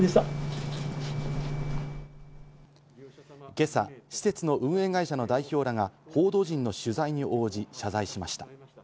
今朝、施設の運営会社の代表らが報道陣の取材に応じ、謝罪しました。